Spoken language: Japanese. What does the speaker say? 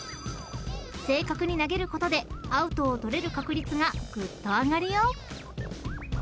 ［正確に投げることでアウトを取れる確率がぐっと上がるよ］